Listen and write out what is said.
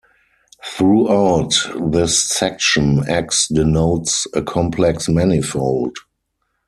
Throughout this section, "X" denotes a complex manifold.